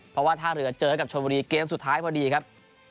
เพราะว่าท่าเรือเจอกับชนบุรีเกมสุดท้ายพอดีครับ